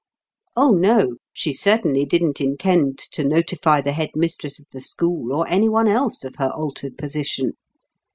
Oh, no, she certainly didn't intend to notify the head mistress of the school or any one else, of her altered position.